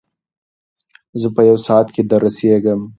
زه په یو ساعت کې در رسېږم.